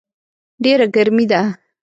ډېره ګرمي ده